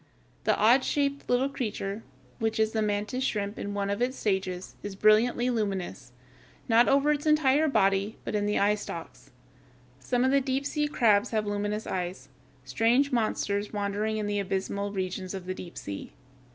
The odd shaped little creature, which is the mantis shrimp in one of its stages, is brilliantly luminous, not over its entire body, but in the eyestalks. Some of the deep sea crabs have luminous eyes, strange monsters wandering in the abysmal regions of the deep sea.